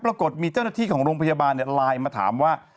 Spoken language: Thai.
ปรากฏมีเจ้าหน้าที่ของโรงพยาบาลไลน์มาถามว่า